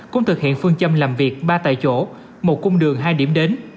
cũng thực hiện phương châm làm việc ba tại chỗ một cung đường hai điểm đến